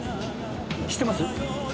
知ってます？